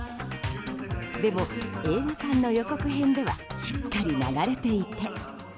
でも、映画館の予告編ではしっかり流れていて。